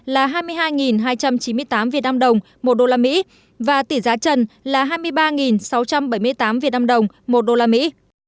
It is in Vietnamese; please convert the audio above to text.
là hai mươi hai hai trăm chín mươi tám việt nam đồng một đô la mỹ và tỷ giá trần là hai mươi ba sáu trăm bảy mươi tám việt nam đồng một đô la mỹ